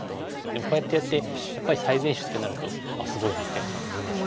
でもこうやってやってやっぱり最善手ってなるとあっすごいなってやっぱ思いますね。